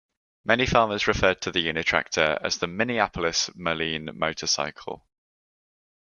Many farmers referred to the Uni-Tractor as the "Minneapolis-Moline Motorcycle".